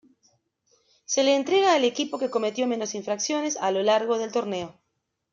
Se le entrega al equipo que cometió menos infracciones a lo largo del torneo.